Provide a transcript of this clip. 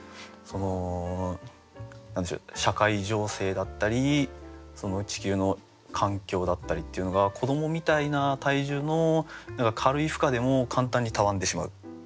その社会情勢だったり地球の環境だったりっていうのが子どもみたいな体重の軽い負荷でも簡単にたわんでしまう。